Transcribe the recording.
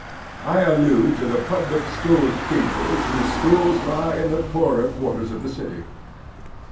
I allude to the public school teachers whose schools lie in the poorer quarters of the city.